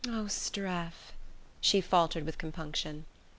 "Oh, Streff " she faltered with compunction.